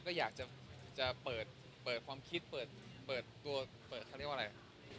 ก็อยากจะเปิดความคิดเปิดตัวเปิดเขาเรียกว่าอะไร